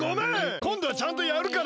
こんどはちゃんとやるから！